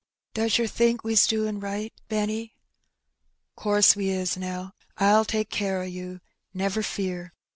" Does yer think we's doin' right, Benny ?"" 'Course we is, Nell ; I'll take care o' you, never fear."